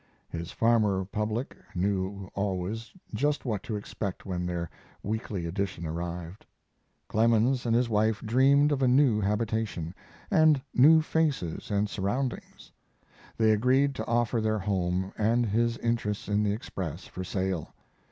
His farmer public knew always just what to expect when their weekly edition arrived. Clemens and his wife dreamed of a new habitation, and new faces and surroundings. They agreed to offer their home and his interests in the Express for sale.